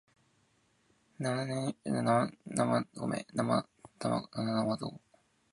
七生麦七生米七生卵